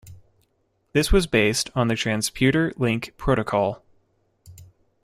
This was based on the Transputer link protocol.